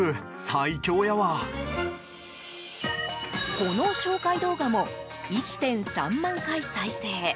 この紹介動画も１．３万回再生。